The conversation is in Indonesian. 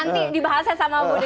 nanti dibahasnya sama budi